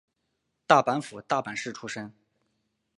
大阪府大阪市出身。